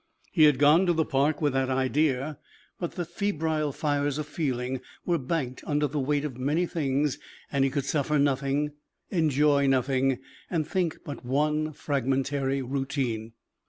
He had gone to the park with that idea. But the febrile fires of feeling were banked under the weight of many things and he could suffer nothing, enjoy nothing and think but one fragmentary routine.